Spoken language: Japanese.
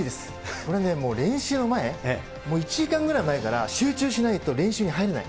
これね、練習の前、もう１時間ぐらい前から、集中しないと練習に入れない。